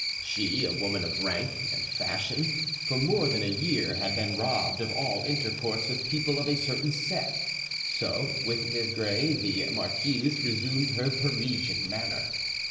She, a woman of rank and fashion, for more than a year had been robbed of all intercourse with people of a certain set, so with Desgrais the marquise resumed her Parisian manner.